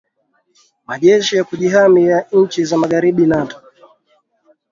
majeshi ya kujihami ya nchi za magharibi nato